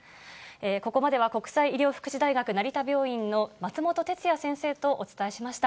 ここまでは、国際医療福祉大学成田病院の松本哲哉先生とお伝えしました。